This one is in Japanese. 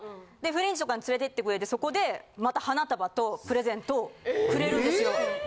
フレンチとかに連れて行ってくれてそこでまた花束とプレゼントをくれるんですよ。